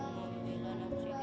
gantian saling menekan